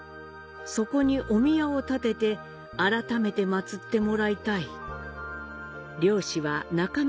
そこにお宮を建てて改めて祀ってもらいたい」